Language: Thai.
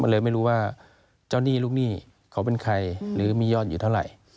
เลยไม่รู้ว่าเจ้าหนี้ลูกหนี้เขาเป็นใครหรือมียอดอยู่เท่าไหร่